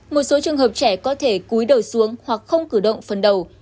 một số trường hợp trẻ có thể cúi đầu xuống hoặc không cử động phần đầu